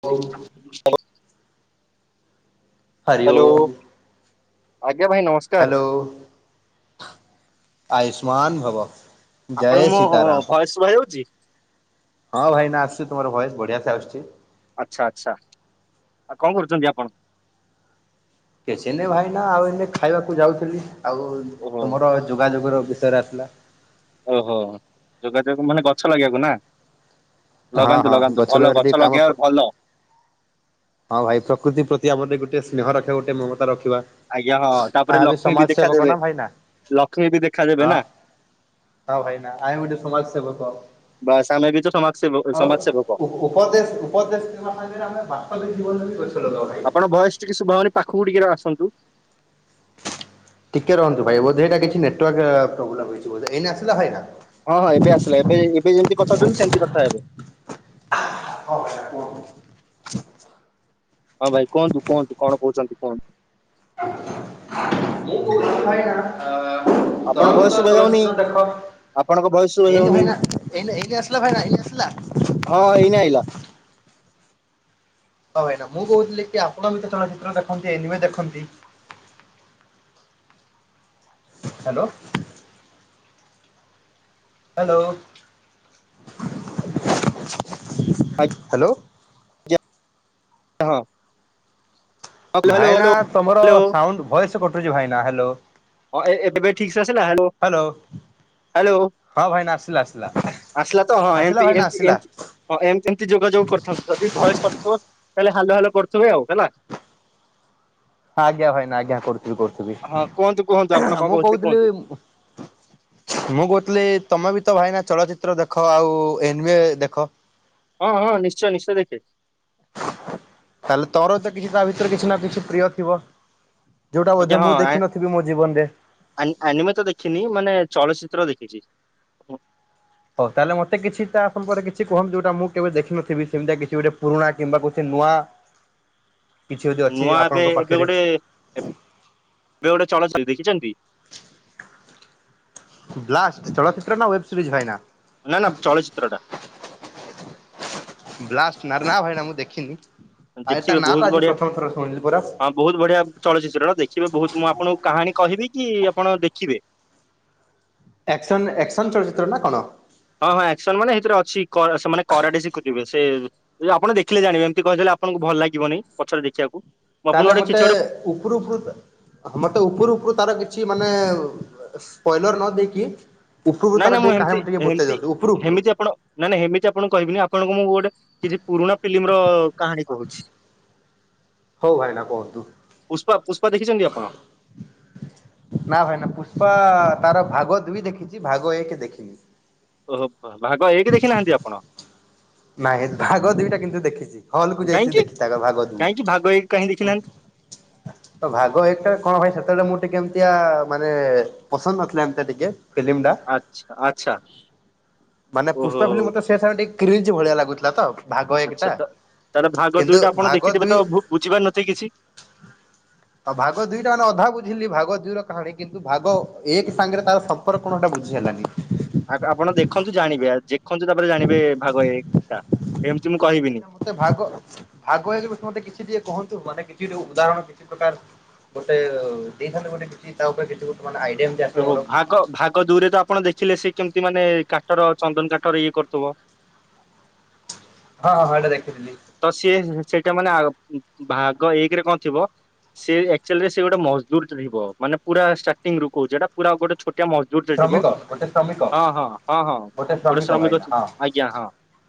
[inaudible] Hello ଆଜ୍ଞା ଭାଇ ନମସ୍କା ହ୍ୟାଲୋ ଆୟୁଷ୍ମାନ ଭବ। ଆପଣଙ୍କୁ ମୋ ଭଏସ୍ ଶୁଭା ଯାଉଛି। ହଁ ଭାଇନା ଆସୁଚି ତମର ଭଏସ୍ ବଢ଼ିଆସେ ଆସୁଚି। ଆଚ୍ଛା ଆଚ୍ଛା ଆଉ କଣ କରୁଚନ୍ତି ଆପଣ? କିଛି ନାଇଁ ଭାଇନା ଆଉ ଏନେ ଖାଇବାକୁ ଯାଉଥିଲି ଆଉ ଓହୋ ତୁମର ଯୋଗାଯୋଗର ବିଷୟରେ ଆସିଲା। ଓହୋ ଯୋଗାଯୋଗ ମାନେ ଗଛ ଲଗେଇିବାକୁ ନା। ହଁ ଲଗାନ୍ତୁ ହଁ ଲଗାନ୍ତୁ ଭଲ ଲଗାରେ ଟିକେ ଗଛ କାମ ପ ଲଗେଇବାର ଭଲ। ହଁ ଭାଇ ପ୍ରକୃତି ପ୍ରତି ଆମର ଗୋଟେ ସ୍ନେହ ରଖିବା ଗୋଟେ ମମତା ରଖିବା। ଆଜ୍ଞା ହଁ ତାପରେ ଆ ବି ସମାଜ ଲକ୍ଷ୍ମୀବି ଦେଖା ସେବକ ଦେବେ ନା ଭାଇନା ଲକ୍ଷ୍ମୀବି ଦେଖା ହଁ ଦେବେନା ହଁ ଭାଇନା ଆମେ ଗୋଟେ ସମାଜ ସେବକ। ବାସ୍ ଆମେ ବି ତ ସମାଜ ସେବକ ଆଉ ସମାଜ ସେବକ ଉପ ଉପଦେଶ ଉପଦେଶ [unintelligible] ଆମେ ବସ୍ତବିକ ଜୀବନ ରେ ଗଛଲଗାଉ ଭାଇ। ଆପଣଙ୍କ ଭଏସ୍ ଟିକେ ଶୁଭା ହଉନି ପାଖକୁ ଟିକେ ଆସନ୍ତୁ। ଟିକେ ରୁହନ୍ତୁ ଭାଇ ବୋଧ ଏଇଟା କିଛି ନେଟୱାର୍କ ଅଁ ପ୍ରୋବ୍ଲେମ୍ ହେଇଚି ବୋଧ ଏଇନା ଆସିଲା ଭାଇନା। ହଁ ହଁ ଏବେ ଆସିଲା ଏବେ ଏବେ ଯେମିତି କଥା ହଉଚନ୍ତି ସେମିତି କଥା ହେବେ। ହଁ ଭାଇନା କୁହନ୍ତୁ। ହଁ ଭାଇ କୁହନ୍ତୁ କୁହନ୍ତୁ କଣ କହୁଚନ୍ତି କୁହନ୍ତୁ। [unintelligible] ଆ ଚଳଚ୍ଚିତ୍ର ଆପଣଙ୍କ ଭଏସ ଶୁଭା ଚଳଚ୍ଚିତ୍ର ଯାଉନି କୁ ଦେଖ ଆପଣଙ୍କ ଭଏସ୍ ଶୁ ଏଇନା ଭାଇନା ଏଇ ଏଇନା ଆସିଲା ଭାଇନା ଏଇନା ଆସିଲା। ହଁ ଏଇନା ଆଇଲା। ହଁ ଭାଇନା ମୁଁ କହୁଥିଲିକି ଆପଣବିତ ଚଳଚ୍ଚିତ୍ର ଦେଖନ୍ତି ଏନିୱେ ଦେଖନ୍ତି। ହାଲୋ। ହାଲୋ। ଆଜ୍ଞା ହଁ। ହ୍ୟାଲୋ ହ୍ୟାଲୋ ଭାଇନା ହ୍ୟାଲୋ ତମର ହ୍ୟାଲୋ ସାଉଣ୍ଡ ଭଏସ୍ କଟୁଚି ଭାଇନା ହାଲୋ। ହଁ ଏ ଏ ଏବେ ଠିକିସେ ଆସିଲା ହାଲୋ ହାଲୋ। ହାଲୋ ଆସିଲାତ ହଁ ଆସିଲା ଏମିତି ଭାଇନା ଏମିତି ଆସିଲା। ଏମିତି ହଁ ଏମିତି ଏମିତି ଯୋଗାଯୋଗ କରିଥାନ୍ତୁ ଯଦି ଭୟସ୍ କଟୁଥିବ ତାହେଲେ ହାଲୋ ହାଲୋ କରୁଥିବେ ଆଉ ହେଲା। ଆଜ୍ଞା ଭାଇନା ଆଜ୍ଞା କରୁ ହଁ କୁହନ୍ତୁ କୁହନ୍ତୁ ଆପଣଙ୍କ କଣ କଉଥିଲେ କୁହନ୍ତୁ। କହୁଥିଲି ମୁଁ କହୁଥିଲି ତମେବିତ ଭାଇନା ଚଳଚିତ୍ର ଦେଖ ଆଉ ଏନିୱ ଦେଖ? ହଁ ହଁ ନିଶ୍ଚୟ ନିଶ୍ଚୟ ଦେଖେ। ତାହେଲେ ତୋରତ କିଛି ତାଭିତରେ କିଛିନା କିଛି ପ୍ରିୟ ଥିବ? ଯୋଉଟା ଆଜ୍ଞା ବୋଧ ହଁ ଆ- ମୁଦେଖିନଥିବି ମୋଜୀବନରେ। ଆନି ଆନିୱତ ଦେଖିନି ମାନେ ଚଳଚିତ୍ର ଦେଖିଚି। ହଉ ତାହେଲେ ମତେ କିଛିତା ସମ୍ପର୍କ କିଛି କୁହନ୍ତୁ ଯୋଉଟା ମୁକେବେ ଦେଖିନଥିବି ସେମିତି କିଛି ଗୋଟେ ପୁରୁଣା କିମ୍ବା କିଛି ନୂଆ [inaudible] କିଛି ଯଦି ଅଛି ନୂଆ ଏବେ ଆପଣଙ୍କ ଏବେ ପାଖରେ। ଗୋଟେ ଏବେ ଗୋଟେ ଚଳଚ୍ଚିତ୍ର ଦେଖିଚନ୍ତି। ବ୍ଲାଷ୍ଟ ଚଳଚ୍ଚିତ୍ରନା ୱେବସ୍ପିଜ୍ ଭାଇନା। ନାଁ ନାଁ ଚଳଚିତ୍ରଟା। ବ୍ଲାଷ୍ଟ ରା ନାଁ ଭାଇନା ମୁଁ ଦେଖିନି। ଆରେତା ନାପା ଆଜି ପ୍ରଥମ ଥର ଶୁଣିଲି ପରା। ବହୁତ୍ ବଢ଼ିଆ ଚଳଚିତ୍ରର ଦେଖିବେ ବହୁତ୍ ମୁଁ ଆପଣଙ୍କୁ କାହାଣୀ କହିବିକି ଆପଣ ଦେଖିବେ? ଆସ୍କନ ଆକ୍ସନ ଚଳଚ୍ଚିତ୍ର ନାକଣ। ହଁ ହଁ ଆକ୍ସନ ମାନେ ସେଇଥିରେ ଅଛି କ ସେ ମାନେ କରାଡି ଶିଖୁଥିବେ ସେ ଯ ଆପଣ ଦେଖିଲେ ଜାଣିବେ ଏମତି କହିଦେଲେ ଆପଣଙ୍କୁ ଭଲ ଲାଗିବନି ପଛରେ ଦେଖିବାକୁ। ମୁଁ ଆପଣଙ୍କୁ ତାହେଲେ ଗୋଟେ କିଛି ମୋତେ ଗୋଟେ ଉପୁରୁ ଉପୁରୁ ତ ମତେ ଉପୁରୁ ଉପୁରୁ ତାର କିଛି ମାନେ ସ୍ପଏଲର ନ ଦେଇକି ଉପୁରୁ କୁ ନାଇଁ ତାର ନାଇଁ ମୁଁ ଟିକେ ହେମିତି କାହାଣି ଟେ ବତେଇ ହେମିତି ଦିଅନ୍ତୁ ଉପୁରୁ ଉପୁରୁ। ହେମିତି ଆପଣ ନାଇଁ ନାଇଁ ହେମିତି ଆପଣ କହିବିନି ଆପଣଙ୍କୁ ମୁଁ ଗୋଟେ କିଛି ପୁରୁଣା ଫିଲ୍ମ ର କାହାଣୀ କହୁଛି। ହଉ ଭାଇନା କୁହନ୍ତୁ। ପୁଷ୍ପା ପୁଷ୍ପା ଦେଖିଚନ୍ତି ଆପଣ? ନା ଭାଇନା ପୁଷ୍ପା ତାର ଭାଗ ଦୁଇ ଦେଖିଚି ଭାଗ ଏକ ଦେଖିନି। ଓହୋ ଭାଗ ଏକେ ଦେଖି ନାହାନ୍ତି ଆପଣ? ନାହି ଭାଗ ଦୁଇଟା କିନ୍ତୁ ଦେଖିଚି ହଲକୁୁ ଯାଇଥିଲି କାହିଁକି ଦେଖି ତା ଭାଗ ଦୁଇ। କାହିଁକି ଭାଗ ଏକ କାହିଁ ଦେଖିନାହାନ୍ତି? ତ ଭାଗ ଏଟା କଣ ଭାଇ ସେତେବେଳେ ମୁଁ ଟିକେ ଏମିତିଆ ମାନେ ପସନ୍ଦ ନଥିଲା ଏମିତି ଟିକେ ଫିଲ୍ମ ଟା ଆଛା ଆଛା। ମାନେ ପୁଷ୍ପା ଫିଲ୍ମ ମତେ ସେ ସମୟେ ଟିକେ କ୍ରିଜ ଭଳିଆ ଲାଗୁଥିଲା ତ। ଭାଗ ଆଚ୍ଛା ଏକଟା। ତ ତାଲେ ଭାଗ କିନ୍ତୁ ଦୁଇଟା ଆପଣ ଭାଗ ଦେଖିଥିବେ ଦୁଇ ତ ବୁ ବୁଝିପାରି ନଥିବେ କିଛି? ଆଉ ଭାଗ ଦିଇଟା ମାନେ ଅଧା ବୁଝିଲି ଭାଗ ଦୁଇ ର କାହାଣୀ କିନ୍ତୁ ଭାଗ ଏକ ସାଙ୍ଗରେ ତାର ସମ୍ପର୍କ କଣଟା ବୁଝି ହେଲାନି। ଆ ଆପଣ ଦେଖନ୍ତୁ ଜାଣିବେ ଆ ଜେଖନ୍ତୁ ତାପରେ ଜାଣିବେ ଭାଗ ଏକ ଟା ଏମିତି ମୁଁ କହିବିନି। ଆଚ୍ଛା ମତେ ଭାଗ ଭାଗ ଏକ ରୁ ମତେ କିଛି ଟିକେ କୁହନ୍ତୁ ମାନେ କିଛି ଟେ ଉଦାହରଣ କିଛି ପ୍ରକାର ଗୋଟେ ଦେଇଥାନ୍ତେ ଗୋଟେ କିଛି ତା ଉପରେ କିଛି ଗୋଟେ ମାନେ ଆଇଡିଆ ଏମିତି ଆସିବ ମୋର। କ ଭାଗ ଦୁରେ ତ ଆପଣ ଦେଖିଲେ ସେ କେମିତି ମାନେ କାଟର ଚନ୍ଦନ କାଠର ଇଏ କରୁଥିବ। ହଁ ହଁ ହେଈଟା ଦେଖିଥିଲି। ତ ସିଏ ସେ ସେ ସେଇଟା ମାନେ ଆ ଉ ମ ଭାଗ ଏକେ ରେ କଣ ଥିବ ସେ ଆକଚୁଆଲି ସେ ଗୋଟେ ମଜଦୁର ଟ ଥିବ ମାନେ ପୁରା ଷ୍ଟାର୍ଟିଂ ରୁ କହୁଚି ହେଟା ପୁରା ଗୋଟେ ଛୋଟିଆ ମଜ ଦୁର ଟେ ଥିବ ଶ୍ରମିକ ଗୋଟେ ଶ୍ରମିକ ହଁ ହଁ ହଁ ହଁ ଗୋଟେ ଶ୍ରମିକ ଥି ଆ ଆଜ୍ଞା ହଁ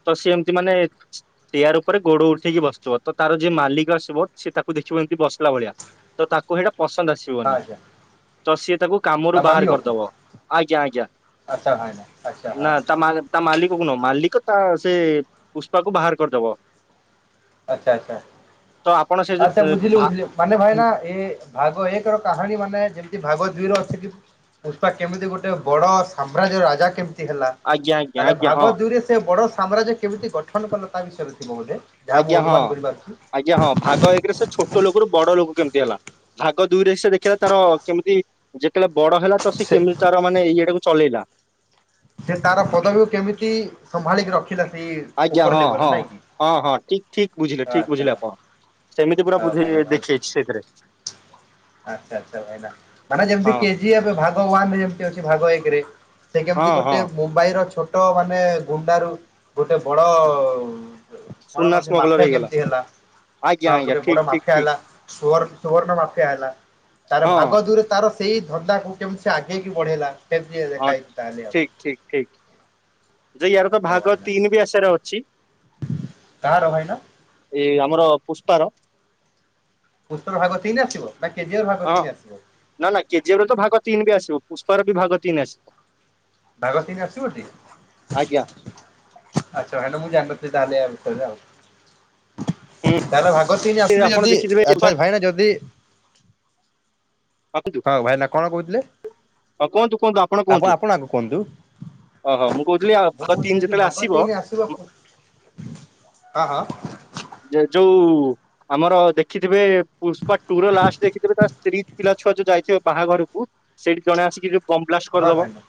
ତ ସେ ଏମତି ମାନେ [unintelligible] ଉପରେ ଗୋଡ ଉଠେଇକି ବସଥିବ ତାର ଯିଏ ମାଲିକ ଆସିବ ସେ ତାକୁ ଦେଖିବ ଏମିତି ବସିଲା ଭଳିଆ ତ ତାକୁ ସେଇଟା ପସନ୍ଦ ହଁ ଆସିବନି ଆଜ୍ଞା ତ ସିଏ ତାକୁ କାମରୁ ତା ବାହାର ମାଲିକକୁ କରିଦବ। ଆଜ୍ଞା ଆଜ୍ଞା ଆଚ୍ଛା ଭାଇନା ଆଚ୍ଛା ହଁ ନା ତା ମା ତା ମାଲିକ କୁ ନୁହ ମାଲିକ ତା ସେ ପୁଷ୍ପାକୁ ବାହାର କରିଦବ। ଆଚ୍ଛା ଆଚ୍ଛା ତ ଆପଣ ସେ ଯୋଉ ଆଚ୍ଛା ଏ ବୁଝିଲୁ ଭା ବୁଝିଲୁ ମାନେ ଭାଇନା ଏ ଭାଗ ଏକ ର କାହାଣୀ ମାନେ ଯେମିତି ଭାଗ ଦୁଇ ର ଅଛି କି ପୁଷ୍ପା କେମିତି ଗୋଟେ ବଡ ସାମ୍ରାଜ୍ୟ ରାଜା କେମିତି ହେଲା ଆଜ୍ଞା ଆଜ୍ଞା ତାହେଲେ ଆଜ୍ଞା ହଁ ଭାଗବ ଦୁଇ ରେ ସେ ବଡ ସାମ୍ରଜ୍ୟ କେମିତି ଗଠନ କଲ ତା ବିଷୟରେ ଥିବ ବୋଧେ ଯାହା ମୁଁ ଆଜ୍ଞା ହଁ ଅନୁମାନ କରିପାରୁଚି? ଆଜ୍ଞା ହଁ ଭାଗ ଏକେ ରେ ସେ ଛୋଟ ଲୋକରୁ ବଡ ଲୋକ କେମିତି ହେଲା ଭାଗ ଦୁଇରେ ସେ ଦେଖିଲା ତାର କେମିତି ଯେତେବେଳେ ବଡ ହେଲା ତ ସେ କେମିତି ତାର ମାନେ ଇଏଟାକୁ ଚଲେଇଲା। ସେ ତାର ପଦବୀ କୁ କେମିତି ସମ୍ଭାଳିକି ରଖିଲା ସେଇ ଆଜ୍ଞା ଉପର ହଁ ଲେବଲରେ ହଁ ନାଇଁ କି ହଁ ହଁ ଠିକ ଠିକ ବୁଝିଲେ ଠିକ ଆଚ୍ଛା ବୁଝିଲେ ଆପଣ। ସେମିତି ପୁରା ବୁଝି ଭାଇ ହଁ ଭାଇନା ଦେଖେଇଚି ସେଇଥିରେ। ଆଚ୍ଛା ଆଚ୍ଛା ଭାଇନା ମାନେ ଯେମିତି ହଁ। କେଜି ଏବେ ଭାଗ ୱାନରେ ଯେମତି ଅଛି ଭାଗ ଏକ ରେ ସେ ହଁ କେମିତି ହଁ ଗୋଟେ ମୁମ୍ବାଇ ର ଛୋଟ ମାନେ ଗୁଣ୍ଡା ରୁ ଗୋଟେ ବଡ କଣ ସୁନା କହନ୍ତି ସ୍ମଗଲର ମାଫିଆ ହେଇଗଲା କେମିତି ହେଲା? ଆଜ୍ଞା ହଁ ଆଜ୍ଞା ଗୋଟେ ଠିକ ବଡ ଠିକ ମାଫିଆ ଠିକ ହେଲା ସୁଣ ସୁର୍ଣ୍ଣ ମାଫିଆ ହେଲା ତାର ହଁ ଭାଗ ଦୂରେ ତାର ସେଇ ଧନ୍ଦାକୁ କେମିତି ସେ ଆଗେଇକି ବଢେଇଲା ସେମିତି ହଁ ଦେଖା ହେଇଛି ତାହେଲେ ଆଉ ଠିକ ଠିକ ଯେ ୟାର ତ ଆଚ୍ଛା ଭାଗ ଭାଇନା ତିନି ବି ଆସାରେ ଅଛି। କାହାର ଭାଇନା? ଇଏ ଆମର ପୁଷ୍ପାର। ପୁସ୍ତର ଭାଗ ତିନି ଆସିବ ନା କେଜିର ଭାଗ ହଁ ତିନି ଆସିବ। ନା ନା କେଜିଏର ତ ଭାଗ ତିନି ବି ଆସିବ ପୁଷ୍ପାର ବି ଭାଗ ତିନି ଆସିବ। ଭାଗ ତିନି ଆସିବ ଟି ଆଜ୍ଞା ଆଛା ଭାଇନା ମୁଁ ଜାଣିନଥିଲି ତାହାଲେ ଆଉ ତାର ଭାଗ ତିନି ହୁଁ ଆସିଲେ ଆପଣ ଯଦି ଦେଖିଥିବେ ଆଚ୍ଛା ଭାଇନା ଯଦି କୁହନ୍ତୁ ହଁ ଭାଇନା କଣ କହୁଥିଲେ କୁହନ୍ତୁ କୁହନ୍ତୁ ଆପଣ କୁହନ୍ତୁ ଆପଣ ଆଗ କୁହନ୍ତୁ? ଓହୋ ମୁଁ କହୁଥିଲି ଆଉ ଭାଗ ତିନି ଯଦି ଯେତେବେଳେ ଭାଗ ଆସିବ ତିନି ଆସିବ ହଁ ହଁ। ଯେ ଯୋଉ ଆମର ଦେଖିଥିବେ ପୁଷ୍ପା ଟୁର ଲାଷ୍ଟ ଦେଖିଥିବେ ତା ସ୍ତ୍ରୀ ପିଲା ଛୁଆ ଯୋଉ ଯାଇଥିବେ ବାହାଘରକୁ ସେଇଠି ଜଣେ ଆସିକି ଯୋଉ ବମ ବ୍ଲାଷ୍ଟ ହଁ କରିଦବ ଭାଇନା।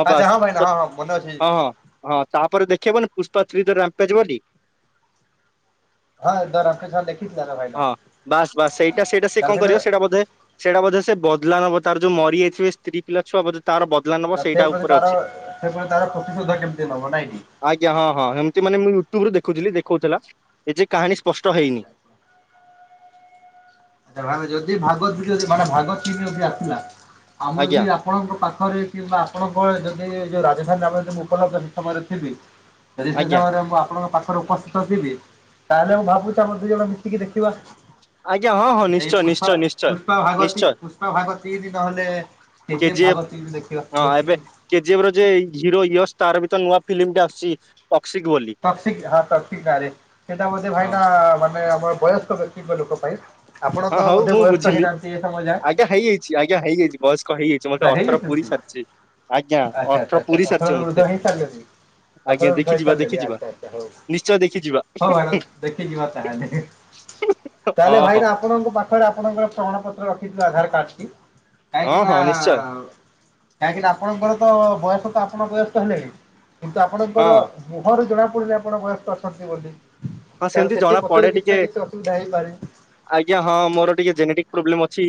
ହଁ ଆଚ୍ଛା ବାସ୍ ଭାଇନା ମନେ ଅଛି ହଁ ହଁ। ହଁ ତାପରେ ଦେଖେଇବନି ପୁଷ୍ପା ଥ୍ରୀ ଜ ରାମ୍ପେଷ୍ଟ ବୋଲି ହଁ [inaudible] ଦେଖ ହଁ ବାସ୍ ବାସ୍ ସେଇଟା ସେଇଟା ସେ କଣ କରିବ ସେଇଟା ବୋଧେ ସେଇଟା ବୋଧେ ସେ ବଦଲା ନବ ତାର ଯୋଉ ମରିଯାଇଥିବେ ସ୍ତ୍ରୀ ପିଲା ଛୁଆ ବୋଧେ ତାର ବଦଲା ନବ ସେଇଟା ସେ ପ୍ରତି ଉପରେ ତାର ଅଛି। ସେ ପ୍ରତି ତାର ପ୍ରତିଶୋଧ କେମିତି ନବ ନାଇଁ କି? ଆଜ୍ଞା ହଁ ହଁ ଏମିତି ମାନେ ମୁଁ ୟୁଟ୍ୟୁବରୁ ଦେଖୁଥିଲି ଦେଖଉଥିଲା ଏ ଯେ କାହାଣୀ ସ୍ପଷ୍ଟ ଆଚ୍ଛା ହେଇନି। ଆ ଭାଗ ଯଦି ଭାଗ [inaudible] ଆମେ ଆଜ୍ଞା ଯଦି ଆପଣଙ୍କ ପାଖରେ କିମ୍ବା ଆପଣଙ୍କ ଯଦି ଯୋଉ ରାଜଧାନୀରେ ଆମେ ଯଦି ମୁଁ କଲା ସମୟରେ ଥିବି। ଯଦି ସେ ଆଜ୍ଞା ସମୟରେ ମୁଁ ଆପଣଙ୍କ ପାଖରେ ଉପସ୍ଥିତ ଥିବି ତାହେଲେ ମୁଁ ଭାବୁଛି ଆମର ଦି ଜଣ ମିଶିକି ଦେଖିବା। ଆଜ୍ଞା ହଁ ହଁ। ଏଇ ନିଶ୍ଚୟ ପୁଷ୍ପା ନିଶ୍ଚୟ ନିଶ୍ଚୟ। ପୁଷ୍ପା ଭାଗ ତି ନିଶ୍ଚୟ ପୁଷ୍ପା ଭାଗ ତିନି ନ ହେଲେ କେଜିଏଫ ଭାଗ ତିନି ଦେଖିବା ଦେଖି କେଜିଏଫର ଯେ ହିରୋ ଇଅସ ତାର ବିତ ନୂଆ ଫିଲ୍ମଟା ଆସୁଛି ଅକ୍ସିକ ବୋଲି ଟକ୍ସିକ ଆଁ ଟକ୍ସିକ ନାଁରେ ସେଇଟା ବୋଧେ ହଁ ଭାଇନା ମାନେ ଆମର ବୟସ୍କ ବ୍ୟକ୍ତିଙ୍କ ଲୋକ ପାଇଁ। ଆପଣ ହଁ ତ ହଉ ବୋଧେ ମୁଁ ବୟସ୍କ ବୁଝିଲି। ହେଇନାହାନ୍ତି ଏ ସମୟ ଯାଏ ଆଜ୍ଞା ହେଇଯାଇଛି ଆଜ୍ଞା ହେଇଯାଇଛି। ବୟସ୍କଟ ହେଇଯାଇଛି ମତେ ଆଚ୍ଛା ଅଠର ପୁରି ହେଇଯାଇଛନ୍ତି ସାରିଛି ଆଜ୍ଞା ଆଚ୍ଛା ଆଚ୍ଛା ଅଠର ଆଚ୍ଛା ପୁରି ସାରିଛି ଅଠରରୁ ମତେ। ଉର୍ଦ୍ଧ୍ୱ ହେଇସାରିଲେଣି ଆଜ୍ଞା ଅଠରରୁ ଉର୍ଦ୍ଧ୍ୱ ଦେଖିଯିବା ହେଇସାରିଲେଣି ଦେଖିଯିବା ଆଚ୍ଛା ଆଚ୍ଛା ହଉ ନିଶ୍ଚୟ ଦେଖିଯିବା। ହଉ ଭାଇନା ଦେଖିଯିବା ତାହେଲେ ତାହେଲେ ହଁ ହଁ। ଭାଇନା ଆପଣଙ୍କ ପାଖରେ ଆପଣଙ୍କର ପ୍ରମାଣ ପତ୍ର ରଖିଦିଅ ଆଧାର କାର୍ଡ। ହଁ ହଁ ନିଶ୍ଚୟ। କାହିଁକିନା ଆପଣଙ୍କର ତ ବୟସ ତ ଆପଣ ବୟସ୍କ ହେଲେଣିି କିନ୍ତୁ ହଁ ଆପଣଙ୍କର ମୁହଁରୁ ଜଣାପଡୁନି ଆପଣ ବୟସ୍କ ଅଛନ୍ତି ବୋଲି। ହଁ ତାର ସେମିତି ସେଠି ଜଣା ପଡେ ପଛରେ କିଛି ଟିକେ ନା କିଛି ଅସୁବିଧା ହେଇପାରେ। ଆଜ୍ଞା ହଁ ମୋର ଟିକେ ଜେନେଟିକ ପ୍ରୋବ୍ଲେମ ଅଛି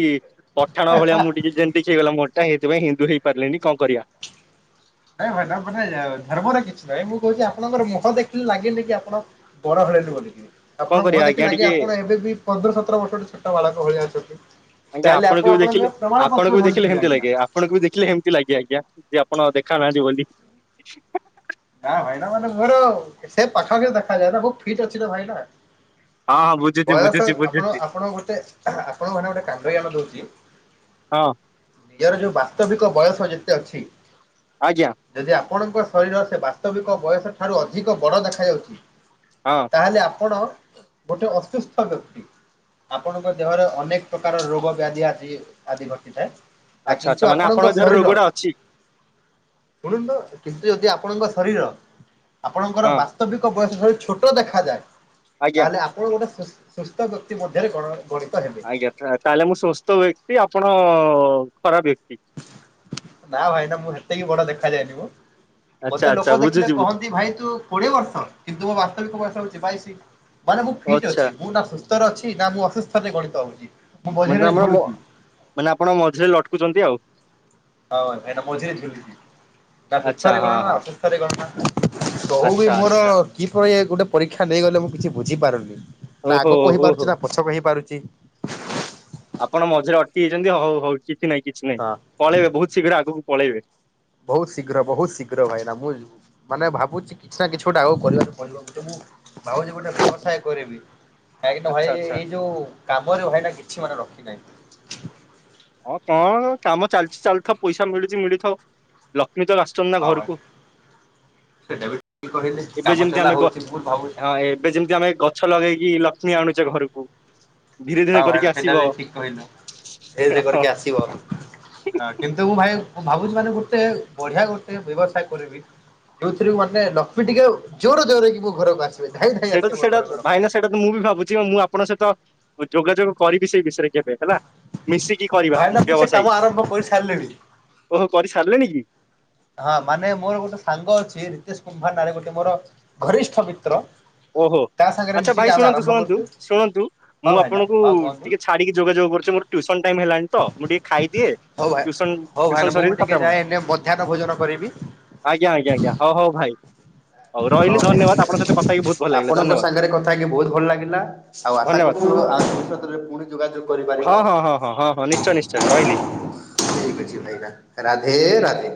ପଠାଣ ଭଳିଆ ମୁଁ ଟିକେ ଯେନ୍ତୀ ହେଇଗଲା ମୋ ଏଇଥି ପାଇଁ ହିନ୍ଦୁ ହେଇପାରିଲିନି କଣ କରିବା? ନାଇଁ ଭାଇ ଧର୍ମରେ କିଛି ନାହିଁ ମୁଁ କହୁଛି ଆପଣଙ୍କର ମୁହଁ ଦେଖିଲି ଲାଗେନି କି ଆପଣ ବଡ଼ ଘରେ ରୁହନ୍ତିନି। କଣ ଆପଣଙ୍କ ମୁହଁ କରିବା ଦେଖିଲ ଆଜ୍ଞା ଲାଗେ ଟିକେ ଆପଣ ଏବେବି ପନ୍ଦର ସତର ବର୍ଷ ଛୋଟ ବାଳକ ଭଳିଆ ଅଛନ୍ତି। ଆଜ୍ଞା ତାହେଲେ ଆପଣଙ୍କୁ ଆପଣ ବି ଦେଖିଲେ ଆପଣଙ୍କ ପ୍ରମାଣ ଆପଣଙ୍କୁ ପତ୍ର ବି ଦେଖିଲେ ଧରିଥିବେ ହେମିତି ଆଜ୍ଞା। ଲାଗେ ଆପଣଙ୍କୁ ବି ଦେଖିଲେ ଏମ୍ତି ଲାଗେ ଆଜ୍ଞା ଯେ ଆପଣ ଦେଖା ନାହାନ୍ତି ବୋଲି। ନା ଭାଇନା ମାନେ ମୋର ସେ ପାଖାପଖି ଦେଖାଯାଏ ନା ବହୁତ ଫିଟ୍ ଅଛି ନା ଭାଇନା। ହଁ ହଁ ବୁଝି ବୟସ ଆପଣ ଆପଣ ଗୁଟେ ଆପଣଙ୍କ ଘାନେ ଗୋଟେ କାଣ୍ଡ ଜ୍ଞାନ ଦଉଚି ହଁ। ୟାର ଯୋ ବାସ୍ତବିକ ବୟସ ଯେତେ ଅଛି ଆଜ୍ଞା। ଯଦି ଆପଣଙ୍କ ଶରୀର ସେ ବାସ୍ତବିକ ବୟସ ଠାରୁ ଅଧିକ ବଡ ଦେଖାଯାଉଛି ହଁ। ତାହେଲେ ଆପଣ ଗୋଟେ ଅସୁସ୍ଥ ବ୍ୟକ୍ତି। ଆପଣଙ୍କ ଦେହରେ ଅନେକ ପ୍ରକାର ରୋଗ ବ୍ୟାଧି ଆସି ଆଦି ଘଟିଥାଏ। ଆ ଆଚ୍ଛା କିନ୍ତୁ ଆଚ୍ଛା ମାନେ ଆପଣଙ୍କ ଦେହରେ ଶରୀର ରୋଗଟା ଅଛି ଶୁଣନ୍ତୁ କିନ୍ତୁ ଯଦି ଆପଣଙ୍କ ଶରୀର ଆପଣଙ୍କର ହଁ ବା ସ୍ତବିକ ବୟସ ଛୋଟ ଦେଖାଯାଏ ଆଜ୍ଞା ତାହେଲେ ଆ ପଣ ଗୋଟେ ସୁସ୍ ସୁସ୍ଥ ବ୍ୟକ୍ତି ମଧ୍ୟରେ ଗଣ ଗଣିତ ହେ [unintelligible] ତାହେଲେ ମୁଁ ସୁସ୍ଥ ବ୍ୟକ୍ତି ଆପଣ ଖରାପ ବ୍ୟକ୍ତି? ନା ଭାଇନା ମୁଁ ସେତିକି ବଡ ଦେଖାଯାଏନି ମୁଁ। ଆଚ୍ଛା ମୋତେ ଆଚ୍ଛା ଲୋକ ଦେଖିଲେ ବୁଝୁଛି ବୁଝୁ କହନ୍ତି ଭାଇ ତୁ କୋଡିଏ ବର୍ଷ କିନ୍ତୁ ମୋ ବାସ୍ତବିକ ବୟସ ହଉଛି ବାଇଶି ମାନେ ମୁଁ ଫିଟି ଆଚ୍ଛା ଅଛି ମୁଁ ନା ସୁସ୍ ତର ଅଛି ନା ମୁଁ ଅସୁସ୍ଥରେ ଗଣିତ ହଉଛି? ମୁଁ ମାନେ ମଝିରେ ତ ଆମର ମୋ ଝୁଲୁଛି ମାନେ ଆପଣ ମଝିରେ ଲଟକୁଛନ୍ତି ଆଉ। ହଉ ସେଟା ମଝିରେ ଝୁଲିଛି ନା ଆଚ୍ଛା ସୁସ୍ଥରେ ହଁ ଗଣନା ନା ହଁ ଅସୁସ୍ଥରେ ଗଣନା। ତଉ ବି ଆଚ୍ଛା ମୋର ଆଚ୍ଛା କି [unintelligible] ଗୋଟେ ପରୀକ୍ଷା ନେଇଗଲେ ମୁଁ କିଛି ବୁଝିପାରୁନି। ନା ଓହୋ ଆଗକୁ ଓହୋ ହେଇପାରୁଚି ନା ପଛକୁ ହେଇପାରୁଚି। ଆପଣ ମଝିରେ ଅଟକି ଯାଇଛନ୍ତି ହଉ ହଉ କିଛି ନାଇଁ କିଛି ନାଇଁ। ହଁ ପଳେଇବେ ବହୁତ ଶୀଘ୍ର ଆଗକୁ ପଳେଇବେ। ବହୁତ୍ ଶୀଘ୍ର ବହୁତ୍ ଶୀଘ୍ର ଭାଇନା ମୁଁ ମାନେ ଭାବୁଛି କିଛି ନା କିଛି ଗୋଟେ ଆଉ କରିବାକୁ ପଡ଼ିବ ଗୁଟେ ମୁଁ ଭାବୁଛି ଗୁଟେ ବ୍ୟବସାୟ କରିବି। କାଇଁକିନା ଭାଇ ଆଚ୍ଛା ଆଚ୍ଛା ଏଇ ଯୋଉ କାମରେ ଭାଇନା କିଛି ମାନେ ରଖି ନାହିଁ। ହଁ କଣ କାମ ଚାଲିଚି ଚାଲ୍ ଥଉ ପଇସା ମିଳୁଚି ମିଳିଥଉ ଲକ୍ଷ୍ମୀ ତ ରସ୍ [unintelligible] ନା ହଁ ଭାଇ ଘରୁକୁ। ସେଇଟା ବି ଠିକ୍ କହିଲେ ଏବେ କାମ ଯେମ୍ତି ଚଲା ଆମେ ଗ ହଉଛି ଭୁଲ ଭାବୁଛି ହଁ ଏବେ ଯେମ୍ତି ଆମେ ଗ ଛ ଲଗେଇକି ଲକ୍ଷ୍ମୀ ଆଣୁଚେ ଘରୁକୁ ଧୀରେ ଧୀରେ କରିକି ଆସିବ। କହିଲା ଧୀରେ ଧୀରେ କରିକି ଆସିବ [unintelligible] କିନ୍ତୁ ମୁଁ ଭାଇ ମୁଁ ଭାବୁଛି ମାନେ ଗୁଟେ ବଢ଼ିଆ ଗୁଟେ ବ୍ୟବସାୟ କରିବି। ଯୋଉଥିରୁ ମାନେ ଲକ୍ଷ୍ମୀ ଟିକେ ଜୋର ଜୋରେଇକି ମୋ ଘରକୁ ଆସିବେ ଧାଇଁ ଧାଇଁ ସେଇଟା ତ ଆସିବେ ମୋ ସେଇଟା ଘରକୁ ଲ ଭାଇନା ସେଇଟା ତ ମୁଁ ବି ଭାବୁଛି ଆଉ ମୁଁ ଆପଣଙ୍କ ସହିତ ଯୋଗାଯୋଗ କରିବି ସେଇ ବିଷୟରେ କେବେ ହେଲା। ମିଶିକି କରିବା ଭାଇନା ମୁଁ ସେ ବ୍ୟବସାୟୀ କାମ ଆରମ୍ଭ କରିସାରିଲିଣି। ଓହୋ କରି ସାରିଲେଣି କି? ହଁ ମାନେ ମୋର ଗୁଟେ ସାଙ୍ଗ ଅଛି ରିତେଶ କୁମ୍ଭାର ନାଁରେ ଗୁଟେ ମୋର ଘରିଷ୍ଠ ମିତ୍ର। ଓ ହୋ ତା ସାଙ୍ଗରେ ଆଚ୍ଛା ଭାଇ ମିଶିକି ଆମେ ଶୁଣନ୍ତୁ ଆରମ୍ଭ ଶୁଣନ୍ତୁ କରୁଛୁ ଶୁଣନ୍ତୁ ହଁ ମୁଁ ଭାଇନା ଆପଣଙ୍କୁ ହଁ କୁହନ୍ତୁ। ଟିକେ ଛାଡ଼ିକି ଯୋଗାଯୋଗ କରୁଚି ମୋର ଟ୍ୟୁସନ୍ ଟାଇମ୍ ହେଲାଣି ତ ମୁଁ ଟିକେ ଖାଇଦିଏ ହଉ ଭାଇ ଟ୍ୟୁସନ୍ ହଉ ଭାଇନା ଟ୍ୟୁସନ୍ ମୁଁ ବି ସରିଦି ଟିକେ ତାପରେ ଆପଣ। ଯାଏ [unintelligible] ଏଇନେ ମଧ୍ୟାହ୍ନ ଭୋଜନ କରିବି ଆଜ୍ଞା ଆଜ୍ଞା ଆଜ୍ଞା ହଁ ହଉ ଭାଇ ହଉ ରହିଲି ଭାଇନା ଧନ୍ୟବାଦ ଠିକ୍ ଆପଣଙ୍କ ଅଛି। ସହିତ କ ଆପଣଙ୍କ ସାଙ୍ଗରେ କଥା ହେଇକି ବହୁତ ଭଲ୍ ଲାଗିଲା ଆଉ ଆଶା ଧନ୍ୟବାଦ କରୁଛୁ ଆଉ [unintelligible] ଷ୍ୟତରେ ପୁଣି ଯୋଗାଯୋଗ କରିବା ହଁ, ହଁ, ହଁ, ହଁ, ହଁ, ହଁ ନିଶ୍ଚୟ ନିଶ୍ଚୟ ରହିଲି। ଠିକ୍ ଅଛି ଭାଇନା, ରାଧେ ରାଧେ।